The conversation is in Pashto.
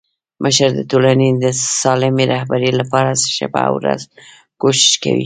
مشر د ټولني د سالمي رهبري لپاره شپه او ورځ کوښښ کوي.